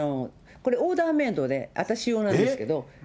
これオーダーメードで、私用なんですけど。